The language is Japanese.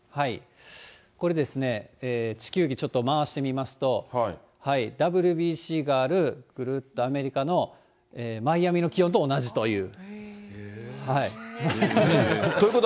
これですね、地球儀ちょっと回してみますと、ＷＢＣがある、ぐるっとアメリカのマイアミの気温と同じという。